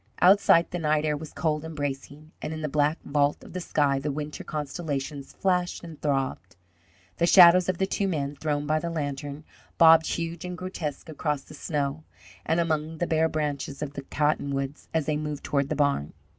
Outside, the night air was cold and bracing, and in the black vault of the sky the winter constellations flashed and throbbed. The shadows of the two men, thrown by the lantern, bobbed huge and grotesque across the snow and among the bare branches of the cottonwoods, as they moved toward the barn.